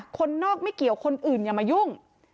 คนนอกไม่เกี่ยวคนอื่นอย่ามายุ่ง